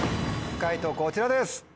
解答こちらです。